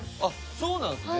そうなんですね。